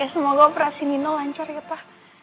semoga operasi mino lancar ya pak